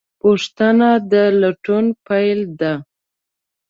پوښتنه د لټون پیل ده.